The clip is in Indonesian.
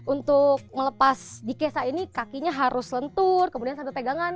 untuk melepas dikesa ini kakinya harus lentur kemudian sangat tegangan